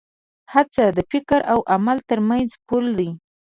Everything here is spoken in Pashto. هڅه د فکر او عمل تر منځ پُل دی.